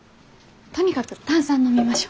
とにかく炭酸飲みましょ。